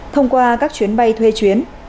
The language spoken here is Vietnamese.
thông qua các chuyến bay thuê chuyến